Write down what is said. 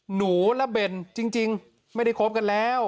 หนูและเบนจริงไม่ได้คบกันแล้ว